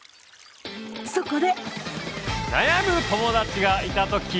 そこで！